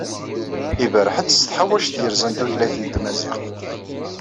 Iberreḥ-d s tḥawcat yerzan tutlayt n tmaziɣt.